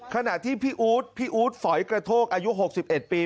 ขณะที่พี่อู๊ดพี่อู๊ดฝอยกระโทกอายุ๖๑ปี